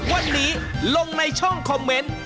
วันนี้ลงในช่องคอมเมนต์